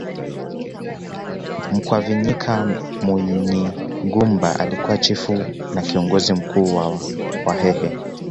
Mkwavinyika Munyigumba alikuwa chifu na kiongozi mkuu wa wahehe